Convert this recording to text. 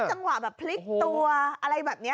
จังหวะแบบพลิกตัวอะไรแบบนี้